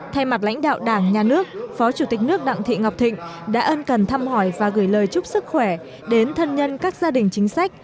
thay mặt lãnh đạo đảng nhà nước phó chủ tịch nước đặng thị ngọc thịnh đã ân cần thăm hỏi và gửi lời chúc sức khỏe đến thân nhân các gia đình chính sách